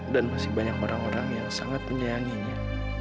dan masih banyak orang orang yang sangat menyayanginya